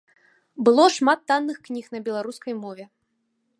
Было шмат танных кніг на беларускай мове.